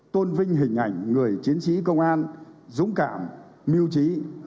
tôn vinh hình ảnh người chiến sĩ công an dũng cảm mưu trí